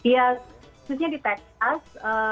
ya sebetulnya di texas